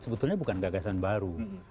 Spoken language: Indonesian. sebetulnya bukan gagasan baru